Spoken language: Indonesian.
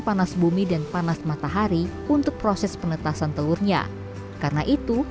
panas bumi dan panas matahari untuk proses penetasan telurnya karena itu